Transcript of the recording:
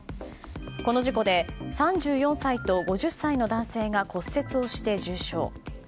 この事故で３４歳と５０歳の男性が骨折をして重傷。